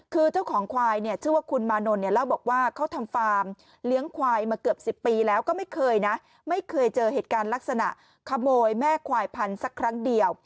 คือเจ้าของควายเนี่ยชื่อว่าคุณมานนท์เนี่ยเล่าบอกว่าเขาทำฟาร์มเลี้ยงควายมาเกือบ๑๐ปีแล้วก็ไม่เคยนะไม่เคยเจอเหตุการณ์ลักษณะขโมยแม่ควายพันธุ์สักครั้งเดียว